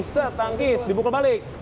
setangkis dipukul balik